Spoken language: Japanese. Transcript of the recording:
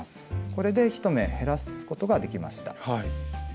これで１目減らすことができました。